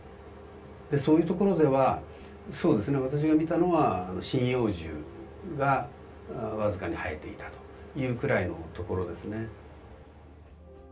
でそういう所ではそうですね私が見たのは針葉樹が僅かに生えていたというくらいのところですね。